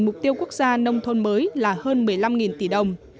mục tiêu quốc gia nông thôn mới là hơn một mươi năm tỷ đồng